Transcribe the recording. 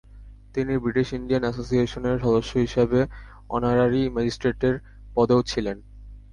তিনি British Indian অ্যাসোসিয়েশনের সদস্য হিসাবে অনারারি ম্যাজিসেট্রটের পদেও ছিলেন।